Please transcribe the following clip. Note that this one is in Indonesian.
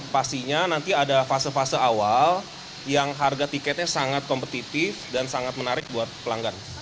pastinya nanti ada fase fase awal yang harga tiketnya sangat kompetitif dan sangat menarik buat pelanggan